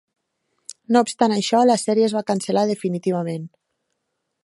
No obstant això, la sèrie es va cancel·lar definitivament.